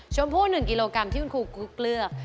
ชมพู่๑กิโลกรัมที่คุณครูกุ๊กเลือก